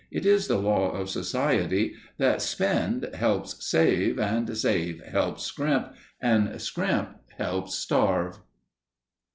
It is the law of society that Spend helps Save, and Save helps Scrimp, and Scrimp helps Starve.